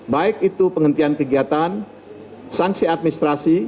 baik itu penghentian kegiatan sanksi administrasi